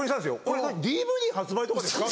これＤＶＤ発売とかですか？